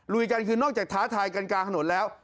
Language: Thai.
กันคือนอกจากท้าทายกันกลางถนนแล้ว